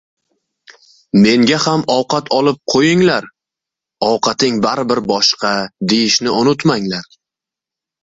"menga ham ovqat olib qo‘yinglar, ovqating baribir boshqa" deyishni unutmanglar.